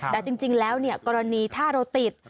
แต่จริงแล้วกรณีถ้าเราติด